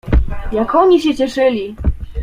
"Jak oni się cieszyli!"